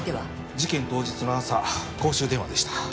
事件当日の朝公衆電話でした。